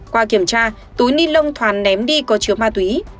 qua kiểm tra túi ni lông thoàn ném đi có chứa ma túy